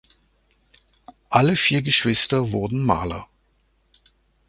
Alle vier Geschwister wurden Maler.